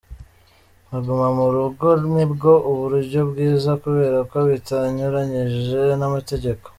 Kuguma mu rugo nibwo buryo bwiza kubera ko bitanyuranyije n’amategeko.